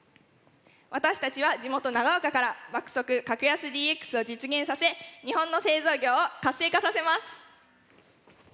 私たちは地元長岡から爆速格安ＤＸを実現させ日本の製造業を活性化させます。